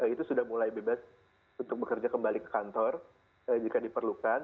itu sudah mulai bebas untuk bekerja kembali ke kantor jika diperlukan